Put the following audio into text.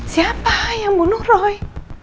siapa yang bunuh roy